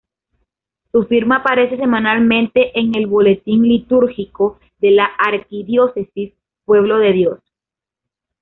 Su firma aparece semanalmente en el Boletín Litúrgico de la Arquidiócesis, "Pueblo de Dios".